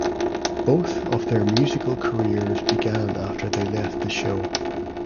Both of their musical careers began after they left the show.